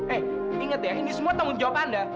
eh inget ya ini semua tanggung jawab anda